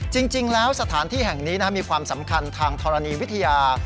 จริงแล้วสถานที่แห่งนี้มีความสำคัญทางธรณีวิทยา